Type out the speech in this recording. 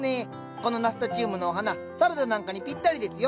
このナスタチウムのお花サラダなんかにぴったりですよ。